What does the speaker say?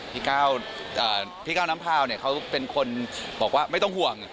พี่ก้าวน้ำพาวเนี่ยเขาเป็นคนบอกว่าไม่ต้องห่วง